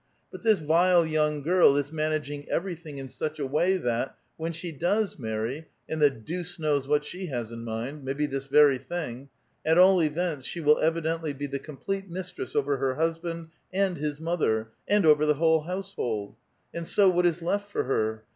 *'But this vile young girl is managing everything in such a way that, when she does marry (and the deuce knows what she has in mind ; maybe this very thing!), at all events, she will evidently be the complete mistress over her husband and his mother, and over the whole household ; and so, what is left for her?